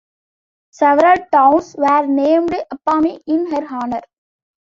Several towns were named Apamea in her honour.